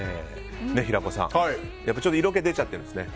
平子さん、ちょっと色気出ちゃっていますね。